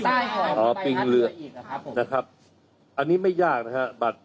ถ้าสกกันเข้ากันพอดีก็ถือว่ามาจากตรงนี้